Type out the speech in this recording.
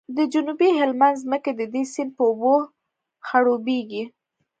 د جنوبي هلمند ځمکې د دې سیند په اوبو خړوبیږي